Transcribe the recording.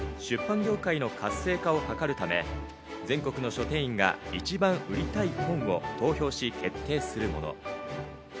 今年で２０回目となる本屋大賞は、出版業界の活性化を図るため、全国の書店員が一番売りたい本を投票し、決定するもの。